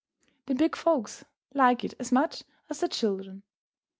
The big folks like it as much as the children.